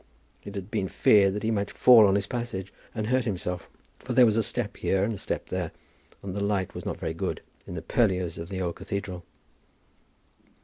It had been feared that he might fall on his passage and hurt himself; for there was a step here, and a step there, and the light was not very good in the purlieus of the old cathedral.